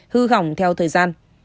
hư hỏng theo thời gian